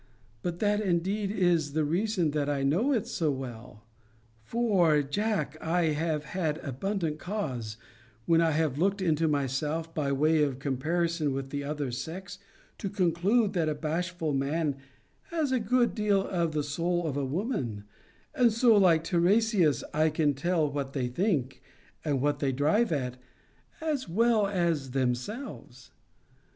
But that indeed is the reason that I know it so well: For, Jack, I have had abundant cause, when I have looked into myself, by way of comparison with the other sex, to conclude that a bashful man has a good deal of the soul of a woman; and so, like Tiresias, can tell what they think, and what they drive at, as well as themselves.